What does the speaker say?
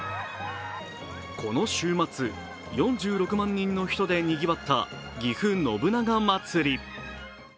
この週末、４６万人の人でにぎわったぎふ信長まつり。